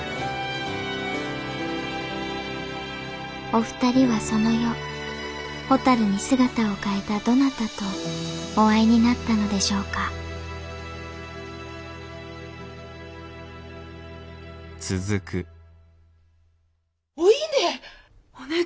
お二人はその夜蛍に姿を変えたどなたとお会いになったのでしょうかお稲！